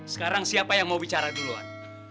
sekarang siapa yang mau bicara duluan